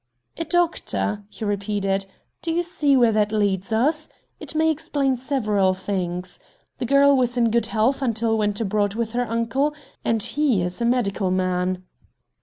"A doctor!" he repeated. "Do you see where that leads us? It may explain several things. The girl was in good health until went abroad with her uncle, and he is a medical man."